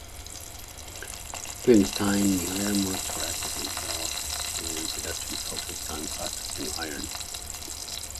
During this time the ironworks were actively developed and production focused on processing iron.